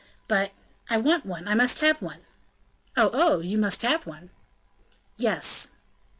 "But " "I want one I must have one!" "Oh! oh! you must have one!" "Yes."